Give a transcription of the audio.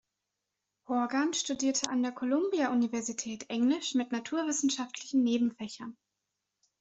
Horgan studierte an der Columbia-Universität Englisch mit naturwissenschaftlichen Nebenfächern.